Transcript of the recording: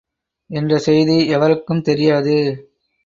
என்ற செய்தி எவருக்கும் தெரியாது.